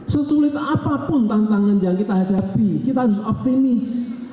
sesulit apapun tantangan yang kita hadapi kita harus optimis